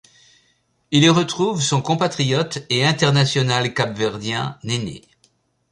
Il y retrouve son compatriote et international cap-verdien, Néné.